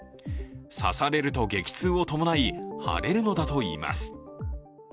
刺されると激痛を伴い、腫れるのだといいます。